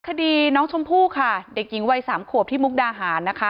คดีน้องชมพู่ค่ะเด็กหญิงวัยสามขวบที่มุกดาหารนะคะ